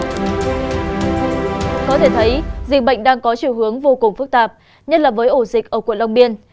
có thể thấy dịch bệnh đang có chiều hướng vô cùng phức tạp nhất là với ổ dịch ở quận long biên